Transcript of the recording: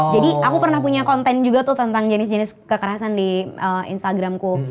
jadi aku pernah punya konten juga tuh tentang jenis jenis kekerasan di instagramku